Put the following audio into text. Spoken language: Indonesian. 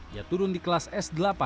dia turun di kelas s delapan